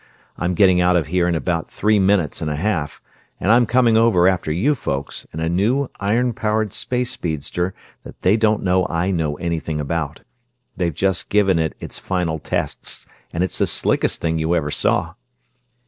I'm getting out of here in about three minutes and a half, and I'm coming over after you folks, in a new, iron powered space speedster that they don't know I know anything about. They've just given it its final tests, and it's the slickest thing you ever saw."